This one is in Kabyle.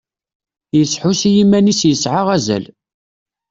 Yesḥus i yiman-is yesɛa azal.